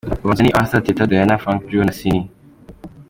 Ubanza ni Arthur, Teta Diana, Frank Joe, Ciney .